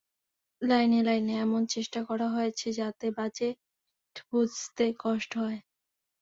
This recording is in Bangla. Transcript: লাইনে লাইনে এমন চেষ্টা করা হয়েছে, যাতে বাজেট বুঝতে কষ্ট হয়।